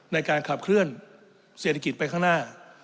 ในการขับเคลื่อนเศรษฐกิจไปข้างหน้า